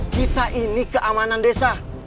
kita ini keamanan desa